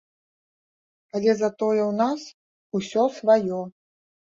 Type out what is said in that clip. Але затое ў нас усё сваё.